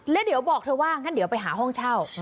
แล้วเดี๋ยวบอกเธอว่างั้นเดี๋ยวไปหาห้องเช่า